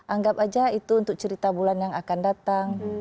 anggap aja itu untuk cerita bulan yang akan datang